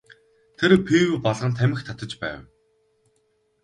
Тэр пиво балган тамхи татаж байв.